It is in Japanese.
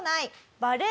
バレー。